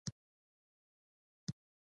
الماري د برقي وسایلو د تارونو ځای هم کېږي